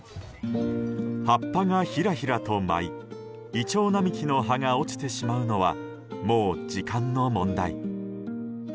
葉っぱがひらひらと舞いイチョウ並木の葉が落ちてしまうのはもう時間の問題。